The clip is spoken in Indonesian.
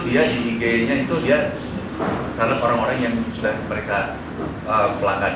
dia di ig nya itu dia karena orang orang yang sudah mereka pelanggan